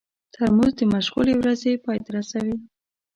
ترموز د مشغولې ورځې پای ته رسوي.